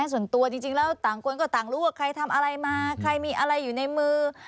ส่วนตัวจริงแล้วต่างคนก็ต่างรู้ว่าใครทำอะไรมาใครมีอะไรอยู่ในมือ